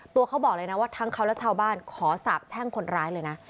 เขาบอกเลยนะว่าทั้งเขาและชาวบ้านขอสาบแช่งคนร้ายเลยนะ